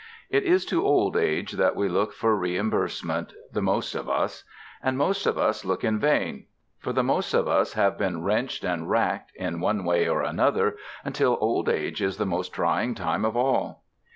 It is to old age that we look for reimbursement, the most of us. And most of us look in vain. For the most of us have been wrenched and racked, in one way or another, until old age is the most trying time of all.